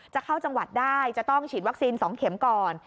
เข้าจังหวัดได้จะต้องฉีดวัคซีน๒เข็มก่อน